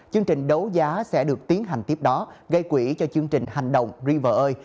chương trình đấu giá sẽ được tiến hành tiếp đó gây quỹ cho chương trình hành động river ơi